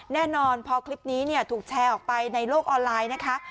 แน่นอนพอคลิปนี้ถูกแชร์ออกไปในโลกออนไลน์นะคะ